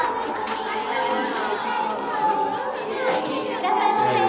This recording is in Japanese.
いらっしゃいませ。